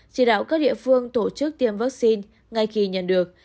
chỉ đạo các địa phương tổ chức tiêm vaccine ngay khi nhận được